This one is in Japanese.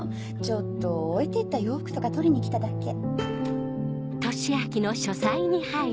ちょっと置いて行った洋服とか取りに来ただけ。